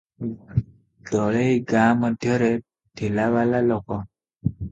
ଦଳେଇ ଗାଁ ମଧ୍ୟରେ ଥିଲାବାଲା ଲୋକ ।